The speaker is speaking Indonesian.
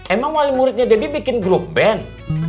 emang wali muridnya jadi bikin grup band